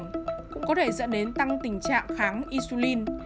cũng có thể dẫn đến tăng tình trạng kháng isulin